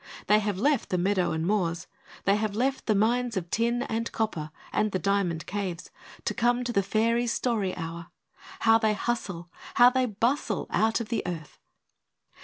They have left the meadows and moors; they have left the mines of tin and copper, and the diamond caves, to come to the Fairies' Story Hour. How they hustle, how they bustle, out of the earth!